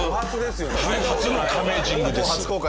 初のカメージングです。